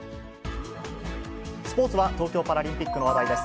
スポーツは東京パラリンピックの話題です。